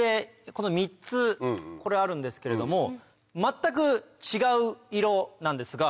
この３つこれあるんですけれども全く違う色なんですが。